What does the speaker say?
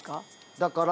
だから。